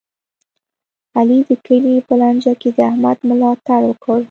علي د کلي په لانجه کې د احمد ملا تړ وکړ.